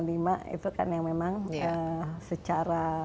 itu kan yang memang secara